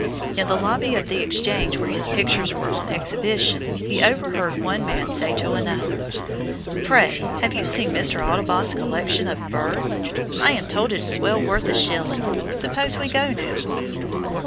In the lobby of the exchange where his pictures were on exhibition, he overheard one man say to another: "Pray, have you seen Mr. Audubon's collection of birds? I am told it is well worth a shilling; suppose we go now."